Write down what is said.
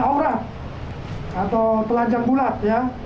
aura atau telanjang bulat ya